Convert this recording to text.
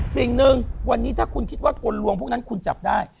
สิ่งหนึ่งวันนี้ถ้าคุณคิดว่ากลลวงพวกนั้นคุณจับได้